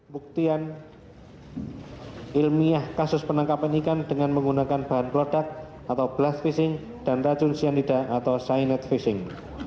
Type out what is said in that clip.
buktian ilmiah kasus penangkapan ikan dengan menggunakan bahan produk atau blood phishing dan racun cyanida atau cyanide phishing